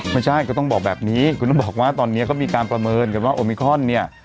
ไม่ใช่ก็ต้องบอกแบบนี้คุณต้องบอกว่าตอนนี้เขามีการประเมินกันว่าโอมิคอนเนี่ย